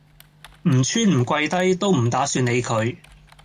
唔穿唔跪低都唔打算理佢